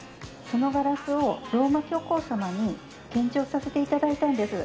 そのガラスをローマ教皇様に献上させて頂いたんです。